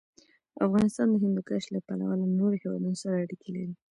افغانستان د هندوکش له پلوه له نورو هېوادونو سره اړیکې لري.